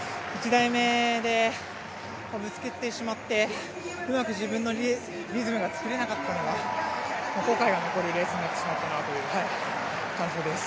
１台目でぶつけてしまってうまく自分のリズムが作れなかったのが後悔が残るレースになってしまったという感想です。